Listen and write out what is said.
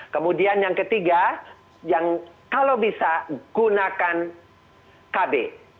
kemudian yang ketiga yang kalau bisa gunakan kb